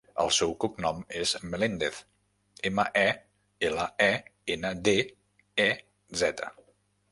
El seu cognom és Melendez: ema, e, ela, e, ena, de, e, zeta.